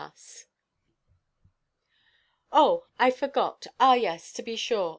_' Oh, I forgot; ah yes, to be sure.